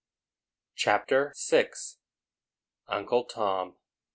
CHAPTER VI. UNCLE TOM.